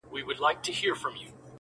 • چي شېبه مخکي په ښکر وو نازېدلی -